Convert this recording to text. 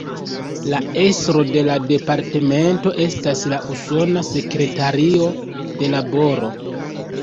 La estro de la Departmento estas la Usona Sekretario de Laboro.